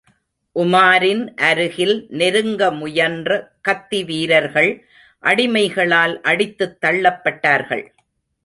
உமாரின் அருகில் நெருங்க முயன்ற கத்தி வீரர்கள் அடிமைகளால் அடித்துத் தள்ளப்பட்டார்கள்.